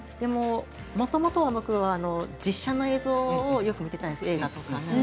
もともと僕は実写の映像をよく見てたんですよ、映画とか。